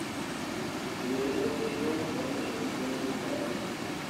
Tuvieron dos hijos: Bonnie y Wayne Baruch.